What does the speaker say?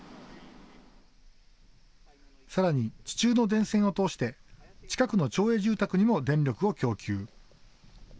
さらに、地中の電線を通して近くの町営住宅にも電力を供給。